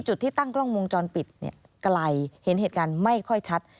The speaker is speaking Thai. จุดที่ตั้งกล้องวงจรปิดไกลเห็นเหตุการณ์ไม่ค่อยชัด